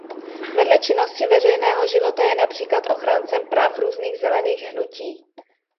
Vedle činnosti veřejného života je například ochráncem práv různých zelených hnutí.